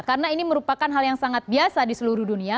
karena ini merupakan hal yang sangat biasa di seluruh dunia